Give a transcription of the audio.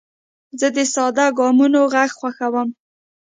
زه د ساده ګامونو غږ خوښوم.